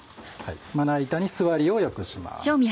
まな板に据わりを良くします。